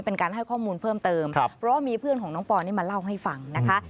เป็นการให้ข้อมูลเพิ่มเติมเพราะว่ามีเพื่อนของน้องปอนนี่มาเล่าให้ฟังนะคะ